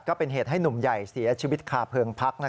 ก็เป็นเหตุให้หนุ่มใหญ่เสียชีวิตคาเพลิงพัก